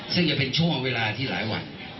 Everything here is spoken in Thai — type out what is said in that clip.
ซึ่งจะเป็นช่วงเวลาที่หลายวัน